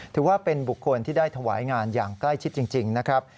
ถือว่าเป็นบุคคลที่ได้ถวายงานอย่างใกล้ชิดจริงนะครับ